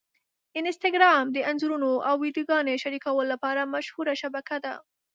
انسټاګرام د انځورونو او ویډیوګانو شریکولو لپاره مشهوره شبکه ده.